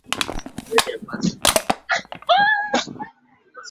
kwa lengo la kuwanufaisha wakoloni huku wao wakipata njaa